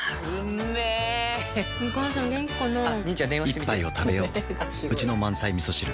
一杯をたべよううちの満菜みそ汁